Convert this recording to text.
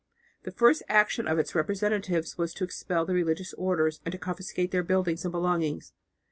The first action of its representatives was to expel the religious orders and to confiscate their buildings and belongings.